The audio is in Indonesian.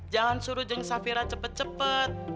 jangan suruh jang safira cepet cepet